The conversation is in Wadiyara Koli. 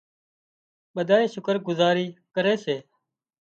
ٻڌانئين شڪر گذاري ڪري سي